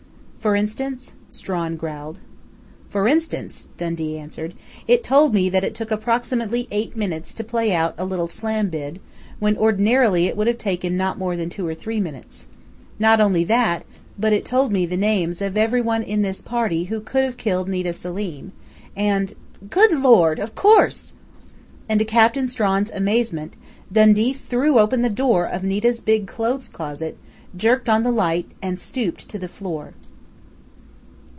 "For instance?" Strawn growled. "For instance," Dundee answered, "it told me that it took approximately eight minutes to play out a little slam bid, when ordinarily it would have taken not more than two or three minutes. Not only that, but it told me the names of everyone in this party who could have killed Nita Selim, and . Good Lord! Of course!" And to Captain Strawn's amazement Dundee threw open the door of Nita's big clothes closet, jerked on the light, and stooped to the floor.